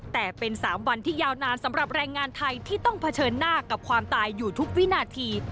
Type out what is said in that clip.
แต่เป็น๓วันที่ยาวนานสำหรับแรงงานไทยที่ต้องเผชิญหน้ากับความตายอยู่ทุกวินาที